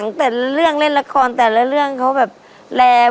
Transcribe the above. นี่คืออุปกรณ์สำหรับโจทย์ข้อนี้ครับอุปกรณ์การรีดภาพนะครับ